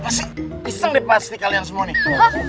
pasti pisang deh pasti kalian semua nih